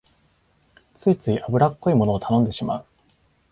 ついつい油っこいものを頼んでしまう